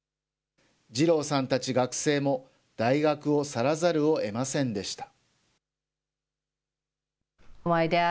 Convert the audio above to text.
ジローさんたち学生も、大学を去らざるをえませんでした。